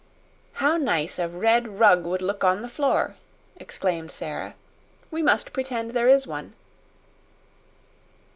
"How nice a red rug would look on the floor!" exclaimed Sara. "We must pretend there is one!"